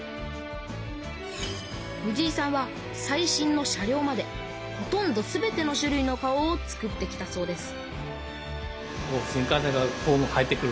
藤井さんは最新の車両までほとんど全ての種類の顔を作ってきたそうです